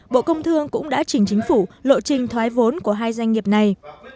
bộ công thương cũng đã chỉnh chính phủ lộ trình thoái vốn của hai doanh nghiệp này